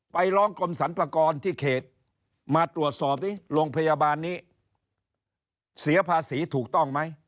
ไปร้องกรมสรรพากรที่เขตมาตรวจสอบดิโรงพยาบาลนี้เสียภาษีถูกต้องไหม